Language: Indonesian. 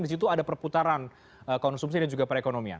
di situ ada perputaran konsumsi dan juga perekonomian